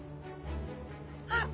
あっ！